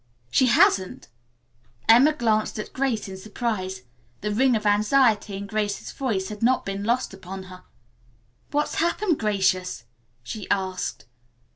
"She hasn't?" Emma glanced at Grace in surprise. The ring of anxiety in Grace's voice had not been lost upon her. "What's happened, Gracious!" she asked.